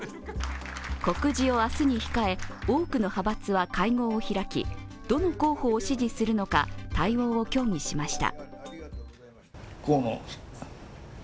告示を明日に控え多くの派閥は会合を開きどの候補を支持するのか対応を協議しました。